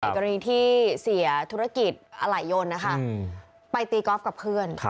อีกรณีที่เสียธุรกิจอลัยยนต์ไปตีกอล์ฟกับเพื่อน